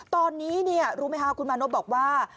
ตอนนี้รู้ไหมคะคุณมานพบอกว่า